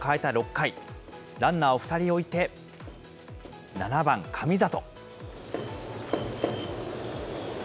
６回、ランナーを２人置いて、７番神里。